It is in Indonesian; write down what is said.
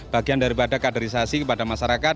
bagian daripada kaderisasi kepada masyarakat